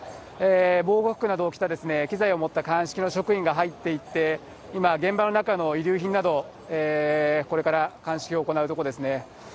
防護服などを着た、機材を持った鑑識の職員が入っていって、今、現場の中の遺留品など、これから鑑識を行うところですね。